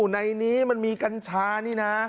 ในนี้มันมีกัญชานี่นะ